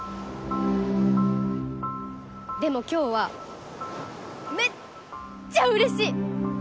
でも今日はめっちゃうれしい！